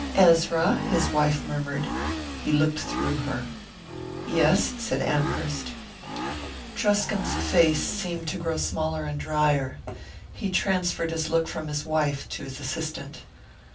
"Ezra " his wife murmured: he looked through her. "Yes," said Amherst. Truscomb's face seemed to grow smaller and dryer. He transferred his look from his wife to his assistant.